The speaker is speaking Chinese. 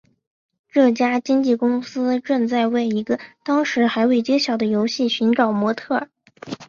这家经纪公司正在为一个当时还未揭晓的游戏寻找模特儿。